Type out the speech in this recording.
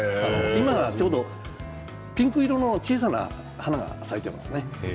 今ちょうどピンク色の小さな花が咲いていますね。